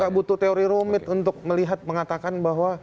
butuh teori rumit untuk melihat mengatakan bahwa